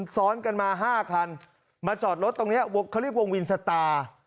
ซ้อนกันมา๕คันมาจอดรถตรงนี้เขาเรียกวงวินสตาร์